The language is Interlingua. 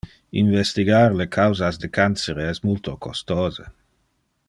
Investigar le causas de cancere es multo costose.